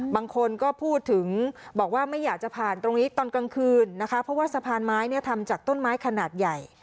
บางคนก็พูดถึงบอกว่าไม่อยากจะผ่านตรงนี้ตอนกลางคืนนะคะเพราะว่าสะพานไม้เนี่ยทำจากต้นไม้ขนาดใหญ่